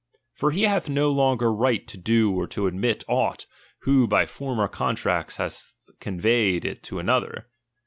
For he hath no longer right to do or to omit aught, who by former con tracts hath conveyed it to another.